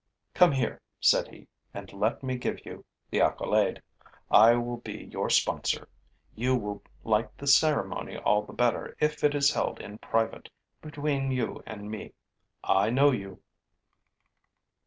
'Come here,' said he, 'and let me give you the accolade. I will be your sponsor. You will like the ceremony all the better if it is held in private, between you and me: I know you!'